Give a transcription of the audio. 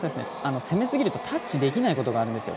攻めすぎるとタッチできないことがあるんです。